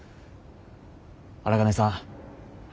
荒金さん。